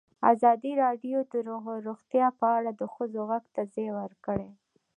ازادي راډیو د روغتیا په اړه د ښځو غږ ته ځای ورکړی.